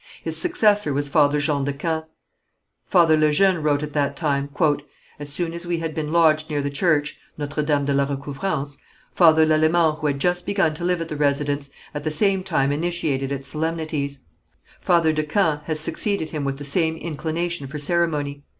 His successor was Father Jean de Quen. Father Le Jeune wrote at that time: "As soon as we had been lodged near the church (Notre Dame de la Recouvrance) Father Lalemant who had just begun to live at the residence, at the same time initiated its solemnities; Father de Quen has succeeded him with the same inclination for ceremony.